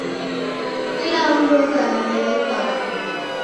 Kila mndu oko na malaika wape.